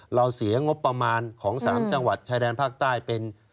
เราเสียงบประมาณของ๓จังหวัดชายแดนภาคใต้เป็น